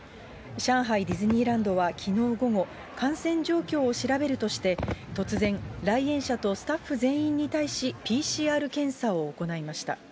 上海ディズニーランドはきのう午後、感染状況を調べるとして、突然、来園者とスタッフ全員に対し、ＰＣＲ検査を行いました。